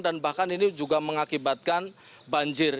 dan bahkan ini juga mengakibatkan banjir